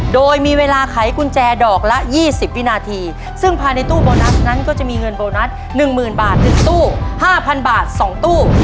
โดยมีเวลาไขกุญแจดอกละ๒๐วินาทีซึ่งภายในตู้โบนัสนั้นก็จะมีเงินโบนัส๑๐๐๐บาท๑ตู้๕๐๐บาท๒ตู้